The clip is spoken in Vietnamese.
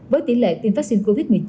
với tỷ lệ tiêm vaccine covid một mươi chín